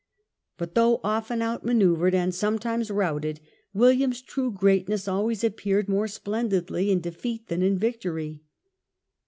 But though often out manoeuvred and sometimes routed, William's true greatness always appeared more splendidly in defeat than in victory.